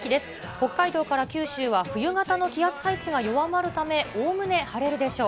北海道から九州は冬型の気圧配置が弱まるためおおむね晴れるでしょう。